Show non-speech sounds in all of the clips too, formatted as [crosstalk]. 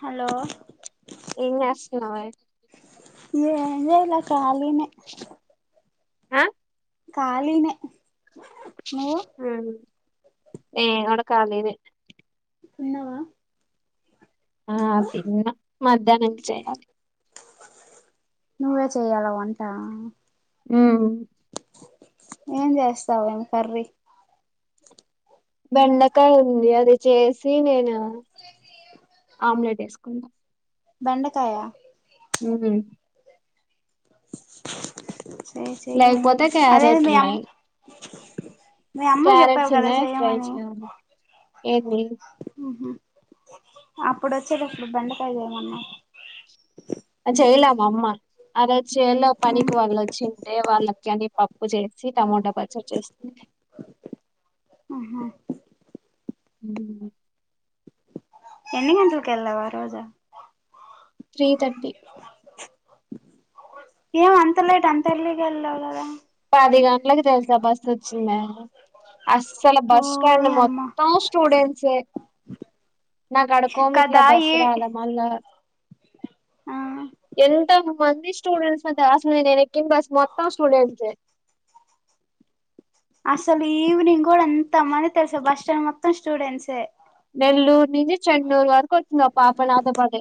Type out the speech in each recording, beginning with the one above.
Hello ఏం జెస్ నవే ఎల్ లే ఇల కాలి ఆ కాళినే హ్మ్ నేన్ ఉడా కాలీ నే ఉన్నవా ఆహ్ తిన్న మధ్యానించె నువ్వే చెయ్యాల వంట హ్మ్ ఏం జేస్తవేన్ కర్రీ బెండకయ్ ఉంది అది చేసి నేను ఆమ్ లేట్ ఎస్ కున్న బెండకయా ఉమ్ చెయ్ చేయి లేకపోతే అదే క్యారెట్ మీ అమ్ ఉన్నాయి మీ అమ్మక్ జేప్పావ్ క్యారెట్స్ కదా ఉన్నాయి చేయ్ ఫ్రై మని చేయాలి ఏంది ఇప్పుడు అచ్చేటప్పుడు బెండకాయ ఏమన్నా అ చేయలా మా అమ్మా అదై చేలొ పనికి వాళ్ళు ఒచ్చింటే వాళ్ళకి అని పప్పు జేసి టమాటా పచ్చడి చేసింది. అహా ఊమ్ ఎన్ని గంటలక్ ఎల్లావ్ ఆరోజు త్రీ థర్టీ ఏం అంతలేట్ అంత ఎర్లీ గా ఎళ్ళవ్ గదా? పది గంటలకి తెల్సా బస్ ఒచ్చిందా అస్సల బస్ స్టాండ్ ఓయమ్మ మొత్తం స్టూడెంట్సే నా కాడ కొమిట్ల కదా ఈ బస్సురాల మళ్ళ ఆ ఎన్ త్త మంది స్టూడెంట్స్ మధ్య అసలు నేన్ ఎక్కిన బస్ మొత్తం స్టూడెంట్సే అస్సలు ఈవినింగ్ గూడ ఎంత మంది తెలుసా బస్ స్టాండ్ మొత్తం స్టూడెంట్సే నెల్లూరు నుంచి చెన్నూరు వరకు ఒచ్చింది ఆ పాప నాతో పాటె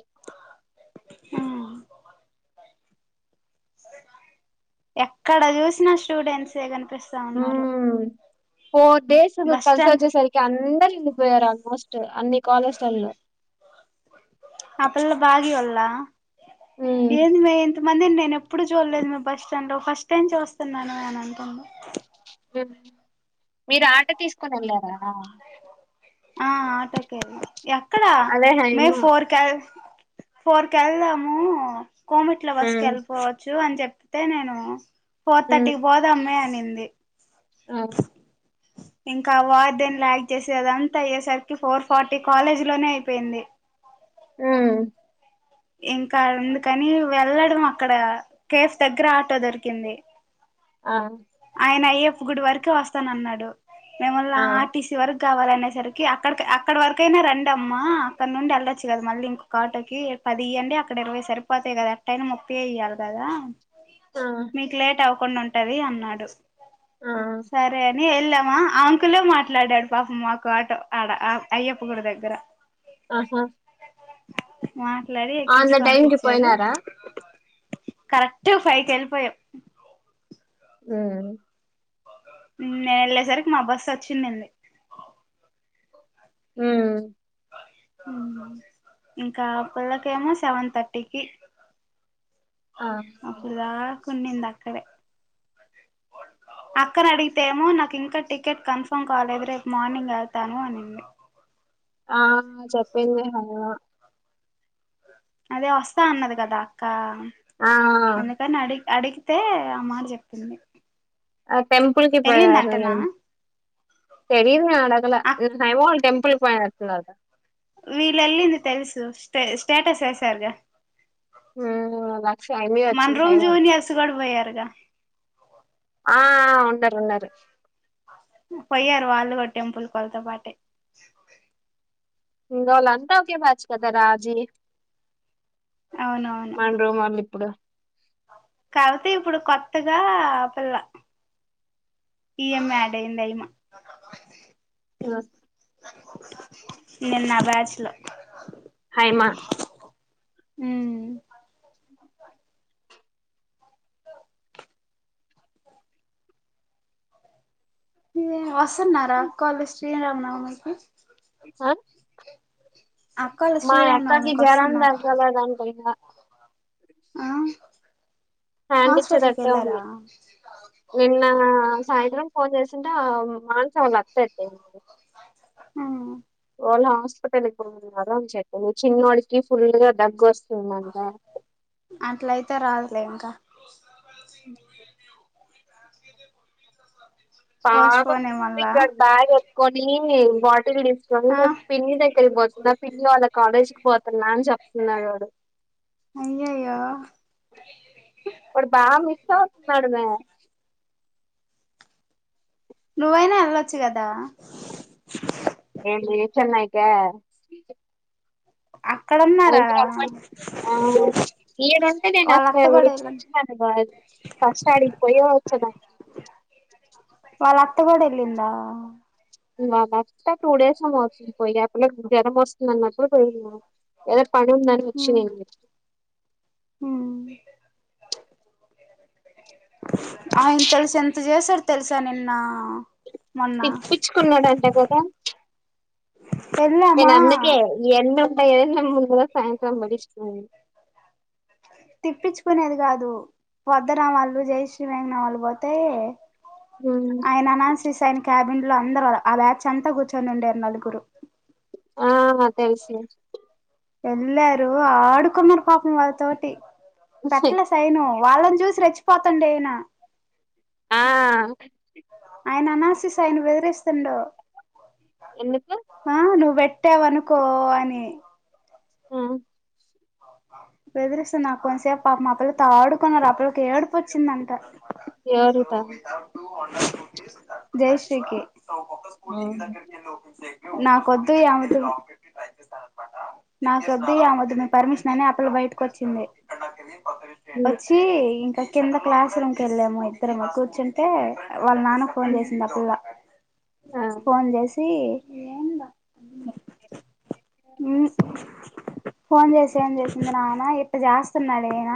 ఎక్కడ జూసినా స్టూడెంట్స్ ఏ కన్ ఉమ్మ్ ఫోర్ డేస్ బస్ కలిసి స్టాండ్ ఒచ్చేసరికి అందరు వెళ్ళిపోయారు ఆల్మోస్ట్ అన్ని కాలేజ్లలో ఆ పిల్ల బాగి ఒల్ల మ్మ్ ఏందీ మే ఇంత మందిన్ నేన్ ఎప్ ఎప్పుడు చూడలేదు మె బస్ స్టాండ్ లో ఫస్ట్ టైమ్ చూస్తున్నాను అని అంటుంది. మీరు ఆటో తీస్కోని ఎళ్లారా? ఆ ఆటోకే ఎక్కడ అదే హైమ మేం ఫోర్ కెల్ ఫోర్ కేళ్దాము కోమట్లో బస్సుకి మ్మ్ ఎళ్పోవచ్చు అని చెప్ తె నేను ఫోర్ థర్టీకి పోదమ్మే అనింది. అప్ ఇంకా వార్డెన్ లా ఆక్ట్ చేసేదన్ అయ్యేసరికి ఫోర్ ఫార్టీ కాలేజీ లోనే అయిపోయింది ఉమ్ ఇంకా అందుకని వెళ్ళడమే అక్కడ కేఫ్ దగ్గర ఆటో దొరికింది. ఆ ఆయన అయ్యప్ప గుడి వరకె వస్తనన్నడు మేమల్ల ఆ ఆర్టీసీ వరకు కావాలనేసరికి అక్కడ్ అక్కడ వరకైనా రండమ్మ అక్కడ నుండి వెళ్ళొచ్చు గద మళ్ళీ ఇంకొక్క ఆటోకి పది ఇయ్యండి అక్కడ ఇరవై సరిపోతాయి గదా ఎట్టైనా ముప్పై ఏ ఇయ్యాలి గదా ఆ మీక్ లేట్ అవ్వకుండా ఉంటది అన్నాడు. ఆ సరే అని ఎల్లామ! ఆ ఆంకులే మాట్లాడాడు పాపం మాకు ఆటో ఆడ అయ్యప్ప గుడి దగ్గర ఆహా మాట్లాడి ఆన్ ఎక్కించి ద టైం కి పంపిచాడు పోయినారా కరెక్ట్ ఫైవ్కెల్పోయం ఉమ్ నేన్ ఎళ్ళేసరికి మా బస్సు వచ్చింనుంది ఉమ్ ఇంకా ఆ పిల్లకేమో సెవెన్ థర్టీకి ఆ కున్నింది ఆక్కడె అక్కని అడిగితేమో నాకు ఇంకా టికెట్ కన్ఫర్మ్ కాలేదు రేపు మార్నింగ్ ఎళ్తాను అనింది ఆహ్ చెప్పింది [inaudible] అదే ఓస్తా అన్నది గదా అక్క ఆ అందుకని అడిగ్ అడిగి తె ఆ మాట జెప్పింది ఆ టెంపుల్ కి పోయారు నేను తెలీదు మా [unintelligible] ఎలాగుల అక్ రేపు సాయిబాబా టెంపుల్ పోయినట్టున్నారు గ తె స్టేటస్ ఎసార్గా ఉమ్, లక్ష హైమి మన వచ్చింది రూమ్ హైమ జూనియర్స్ కూడా పోయారు గ ఆ ఉండరు ఉన్నరు పోయ్యారు వాళ్ళుగూడ టెంపుల్ వాల్తోపాటే వాళ్ళు అంత ఒకే బ్యాచ్ కద రాజి అవునవును మన రూమ్ వాళ్ళు ఇప్పుడు కవిత ఇప్పుడు కొత్తగా ఆ పిల్ల ఈఎంమ యాడ్ అయింది ఐమా క్లోజ్ నిన్న ఆ బ్యాచ్ లో హైమా ఊ వస్తున్నారా అక్కోళ్ళు శ్రీ రామనవమకి అక్కోళ్ళు మా యక్కకి శ్రీరామనవమికి జరం వస్తున్నారా తగ్గలేదంట ఇంగా ఆ హాస్పిటల్కి ఎల్లారా నిన్నా సాయంత్రం ఫోన్ చేసింటే ఆ మానస వాళ్ళ అత్త ఎత్తింది ఆ వాళ్ళు హాస్పిటల్కి పోయిన్నారు అని చెప్పింది చిన్నోడికి ఫుల్ గా దగ్గోస్తుం అట్లయితే రాదులే ఇంకా ఉ పోస్ట్ పాపం పోనే మళ్ళా క్రిత్విక్ బ్యాగ్ కొనీ బాటిల్ తీసుకొని ఆ పిన్ని దగ్గరికి పోచ్ మా పిన్ని వాళ్ళ కాలేజీకి పోతున్నా అని చెప్తున్నాడు వాడు అయ్యయో వాడు బా మిస్సవ్తున్నాడమే నువ్వైనా ఎల్లోచ్చు కదా ఏంది చెన్నైకా ఉన్నారాడ ఆయన్ని రమ్మని ఆ ఈడుంటే నేను అసలు అత్త కూడా వెళ్ళింది వచ్చినను ఫస్ట్ అడిగిపోయే వచ్చేదాన్ని వాళ్ళ అత్తగుడ ఎలిందా వాళ్ళ అత్త టూ డేస్ ఏమో అవుతుంది పోయి ఆ పిల్లకి జ్వరం వస్తుంది అన్నప్పుడు పోయింది ఏదో పని ఉందని వచ్చినింది మ్ ఆయన తెలుసా ఎంత చేసాడు తెలుసా నిన్నా తిప్పిచ్చుకున్నాడంట కదా నేన్ వెళ్ళామా అందుకే ఇయ్యన్ని ఉంటాయనే నేను ముందు రోజు సాయంత్రం పెట్టించుకునేది తిప్పించుకునేది కాదు పోద్దన వాళ్ళు జయశ్రీ మేఘన వాళ్ళు పోతే ఆయన అనాలసిస్ ఆయనకి క్యాబిన్ లో అందరు ఆ బ్యాచ్ అంతా కూర్చొని ఉండే ఆ నలుగురు ఆ తెలుసు ఎల్లారు ఆడుకున్నరు పాపం వాళ్ళ తోటి పెట్లే సైను వాళ్ళని చూసి రెచ్చిపోతుండే ఇయినా ఆ ఆయన అనసిస్ ఆయన బెదిరిస్తుండో ఎందుకు ఆ నువ్ పెట్టావనుకో అని ఉమ్ బెదిరిస్తుంది నా కొంతసేపు పాపం ఆ పిల్లతో ఆడుకున్నారు ఆ పిల్లకి ఏడుపు వచ్చిందంట ఎవరితో జైశ్రీకి ఆ నాకొద్దు ఇ ఆమె తో నాకొద్దు ఆమె తో పర్మిషన్ అనే అ పిల్ల బయటకు వచ్చింది వచ్చి ఇంకా కింద క్లాస్ రూమ్కెళ్ళాము ఇద్దరుము కూర్చుంటే వాళ్ళ నాన్నకీ ఫోన్ చేసింది అపిల్ల ఫోన్ చేసి ఫోన్ చేసి చేసింది నాన్న ఇట్ట జెస్తున్నాడు ఈయన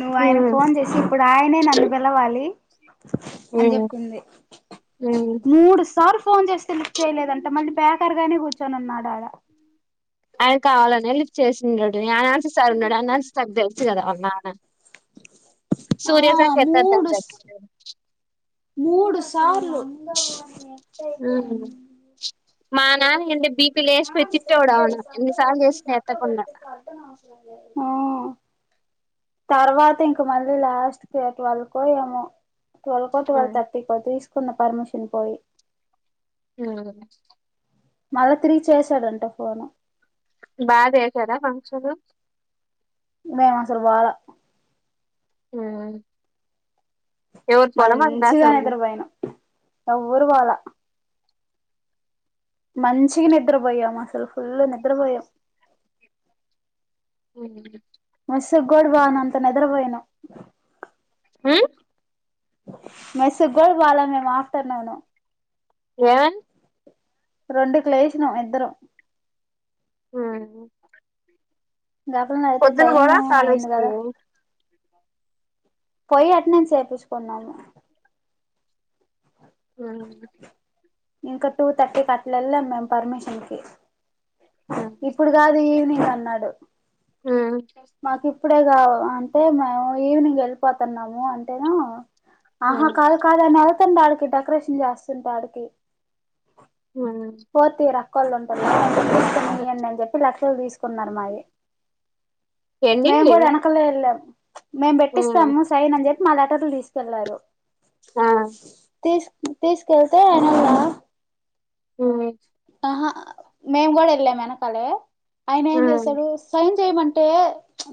నువ్వు ఆయనకు ఫోన్ చేసి ఇప్పుడు ఆయనే నన్ను పిలవాలి అని చెప్పింది మూడు సార్లు ఫోన్ చేస్ స్తె లిఫ్ట్ చేయలేదంట మళ్ళీ బేకర్గానే కూర్చొనున్నాడాడ ఆయన కావాలనే లిఫ్ట్ చేసుండడు అనాన్సీ సార్ ఉన్నాడు అనాన్సీ కి తెలుసు కదా వాళ నాన్న సూర్యాసర్ ఆ చెప్పేద్దాం మూడు జరిగిందేదో మూడు సార్లు మానాన్న అయుంటే బీపి లేసిపోయి తిట్టేవొడు అవున ఎన్నిసార్లు చేసినా ఎత్తకుండా ఆ తర్వాత ఇంక మళ్ళీ లాస్ట్ కీ ట్వల్ కో ఏమో టువెల్కొ టూవెల్ థర్టీకో తీసుకున్న పర్మిషన్ పోయి ఉమ్ మళ్ళ తిరిగిచేసాడంట ఫోను బా చేసారా ఫంక్షన్ మేము అసలు బాల ఆ మంచిగా నిద్రపోయిన ఎవ్వరు పోలా మంచిగ నిద్రపోయాం అసలు ఫుల్ నిద్రపోయాం ఉ మెస్ గుడ పొనత అంత నిద్రపోయిను ఉమ్ మెస్ గుడా పోలే మేమ్ ఆఫ్టర్నూను ఏ రెండుకు లేషినం ఇద్దరం ఉమ్ గపల అడిగితే పొద్దున టైం పోరా అయింది కాలేజ్కి కదా పోయి అట్నేన్స్ వేపించుకున్నాము ఆ ఇంకా టూ తర్టీ కట్లేలదం మేమ్ పర్మిషన్కి ఆ ఇప్పుడు కాదు ఈవినింగ్ అన్నాడు ఉమ్ మాకు ఇప్పుడే కా అంటే మము ఈవినింగ్ వెళ్ళిపోత మెము అంటేను ఆహా కాదు కాదు అని వెళ్తుండ వాడికి డెకరేషన్ చేస్తుంటే ఆడికి ఫోర్తియర్ అక్కోళ్ళు ఉంటరుగ అని చెప్పి లక్షలు తీసు కొన్నారు మావి మేం గుడా వెనకలే ఎళ్లాం మేం పెట్టిస్తాము సైన్ అని చెప్పి మా లటర్లు తీసుకెళ్లారు ఆ తీసు తీస్కెళ్తే అనాల్లా ఉమ్ మేము కూడా వెళ్ళాం వెనకాలె ఆయన ఏం చేసాడు ఉమ్ సైన్ ఏమంటే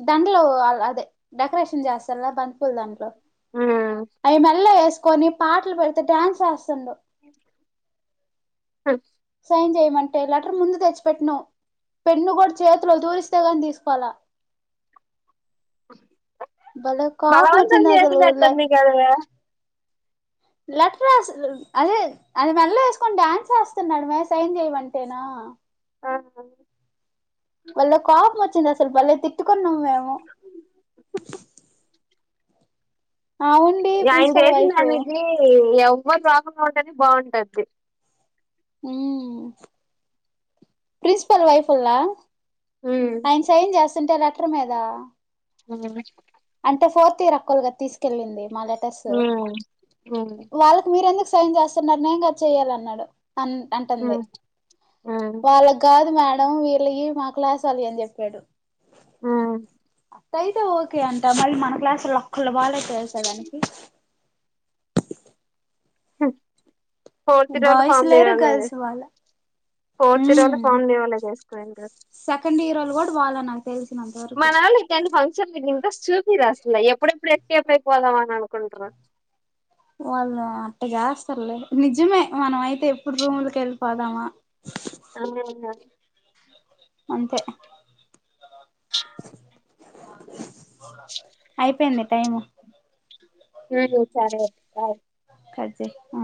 దాంట్లో అదే డెకరేషన్ చేస్తారుగ బంతిపూల దాంట్లో ఉమ్ అవి మెల్లో వేసుకొని పాటలు పెడితే డ్యాన్స్ వేస్తుండు హ సహాయం చేయమంటే లెటర్ ముందు తెచ్చిపెట్టినవ్ పెన్ను కూడా చేతిలో తూరిస్తే కాని తీసుకోలా భలే కోపం బలవంతాం వచ్చింది అసలు చేసినట్టుంది కాదవే లెటర్ రాసి అదే అది మెల్ల వేసుకొని డ్యాన్స్ వేస్తున్నాడు మే సైన్ చేయమంటేనో ఆహా వాలే కోపామ్మోచ్చింది అసలు బలే తిట్టుకున్నాం మేం అవుండి ఆయన ప్రిన్సిపల్ చేసిన వైఫ్ దానికి ఎవ్వరు రాకున్నా ఉంటేనే బాగుంటది ప్రిన్సిపాల్ వైప్ ళ్ల ఉమ్ ఆయన సైన్ చేస్తుంటే లెటర్ మీద ఉమ్మ్ అంటే ఫోర్త్ ఇయర్ అక్కోళ్ళు గా తీసుకెళ్ళింది మా లెటర్స్ ఉమ్ వాళ్ళకి మీరు ఎందుకు సైన్ చేస్తున్నారు నేను గా చేయాలి అన్నాడు అన్ ఉమ్ అంటంది ఉమ్ వాళ్ళకు కాదు మేడం మేడం వీళ్ళయి మా క్లాస్ వాళ్ళే అని చెప్పాడు ఆ అయితే ఓకే అంట మళ్ళీ మన క్లాసులో అక్కళ్ళ బాళ తెలుసా దానికి మ్ ఫోర్తి రోలు బాయ్స్ ఫామ్ లేరు దెయలే గర్ల్స్ వాళ్ళ ఫోర్త్ రోల్ ఉమ్ ఫామ్ దేవలే చేసిరు ఇంకా సెకండ్ ఇయర్ వాళ్ళు కూడా వాళ్ళ నాకు తెలిసినంత వరకు మన వాళ్ళ ఫంక్షన్ ఇంత ఇంట్రెస్ట్ చూపియరా అసలు ఎప్పుడెప్పుడు ఎప్పుడు వెళ్లిపోవాలా అని అనుకుంటారు వాళ్ళు అట్టగాస్తర్లే నిజమే మనం అయితే ఎప్పుడు రూములకి వెళ్ళిపోదామా ఆ అంతే అయిపోయింది టైము ఉమ్ సరే బాయ్ కట్ చేయి హ